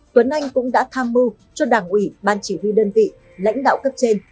tuấn anh cũng đã tham mưu cho đảng ủy ban chỉ huy đơn vị lãnh đạo cấp trên